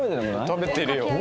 食べてるよ。